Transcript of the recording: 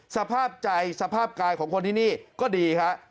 สภาพใจสภาพกายของคนที่นี่ก็ดีฮะ